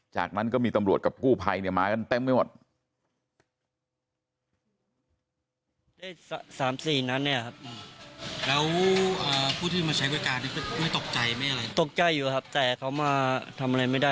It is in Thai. จากนั้นก็มีตำรวจกับกู้ภัยมากันเต็มไปหมด